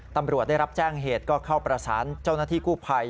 ตำรวจได้รับแจ้งเหตุก็เข้าประสานเจ้าหน้าที่กู้ภัย